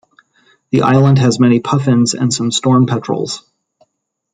The island has many puffins and some storm petrels.